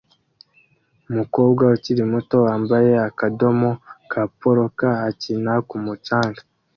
Umukobwa ukiri muto wambaye akadomo ka polka akina ku mucanga